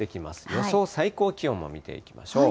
予想最高気温も見ていきましょう。